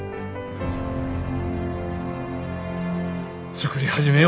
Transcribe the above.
作り始めよ。